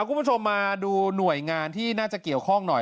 คุณผู้ชมมาดูหน่วยงานที่น่าจะเกี่ยวข้องหน่อย